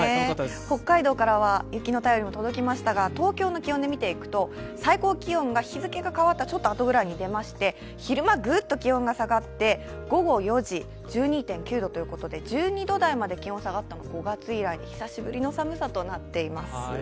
北海道からは雪の便りも届きましたが東京の気温で見ていくと最高気温が日付がかわったあとぐらいに出まして昼間ぐっと気温が下がって、午後４時１２．９度ということで、１２度台まで気温が下がったのは５月以来、久しぶりの寒さとなっています。